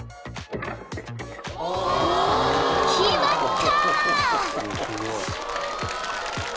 ［決まった！］